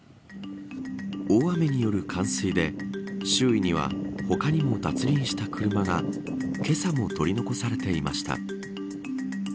大雨による冠水で周囲には他にも脱輪した車がけさも取り残されていました。